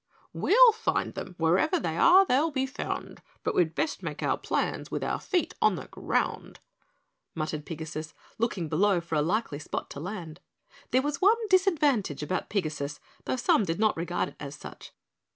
"We'll find them, wherever they are they'll be found, But we'd best make our plans with our feet on the ground," muttered Pigasus, looking below for a likely spot to land. There was one disadvantage about Pigasus, though some did not regard it as such.